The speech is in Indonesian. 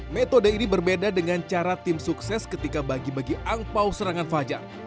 metode ini berbeda dengan cara tim sukses ketika bagi bagi angpao serangan fajar